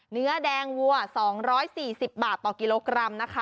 เนื้อแดงวัว๒๔๐บาทต่อกิโลกรัมนะคะ